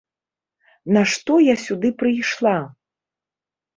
Нашто я сюды прыйшла?